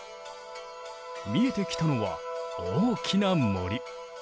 見えてきたのは大きな森。